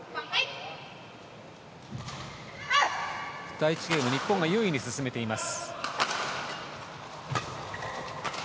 第１ゲーム日本が優位に進めています。